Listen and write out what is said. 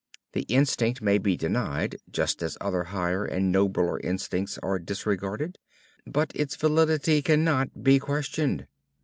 The instinct may be denied, just as other higher and nobler instincts are disregarded; but its validity cannot be questioned.